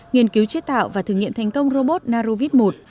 nghiên cứu chế tạo và thử nghiệm thành công robot narovit một